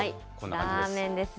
ラーメンですね。